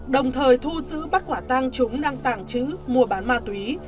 đồng thời thu giữ bắt quả tăng chúng đang tàng trữ mua bán ma túy